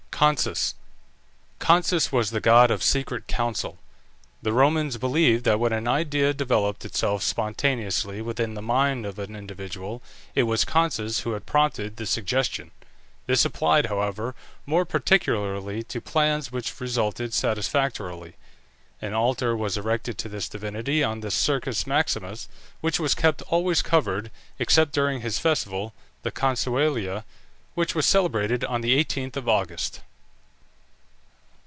CONSUS. Consus was the god of secret counsel. The Romans believed that when an idea developed itself spontaneously within the mind of an individual, it was Consus who had prompted the suggestion. This applied, however, more particularly to plans which resulted satisfactorily. An altar was erected to this divinity on the Circus Maximus, which was kept always covered, except during his festival, the Consualia, which was celebrated on the 18th of August.